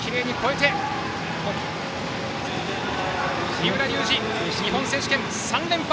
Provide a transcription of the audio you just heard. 三浦龍司、日本選手権３連覇。